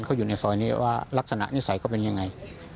เขาอยู่ในซอยนี้ว่าลักษณะนิสัยเขาเป็นยังไง